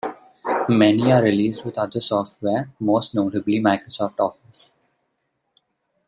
Many are released with other software, most notably Microsoft Office.